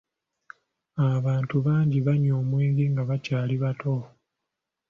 Abantu bangi abanywa omwenge nga bakyali bato.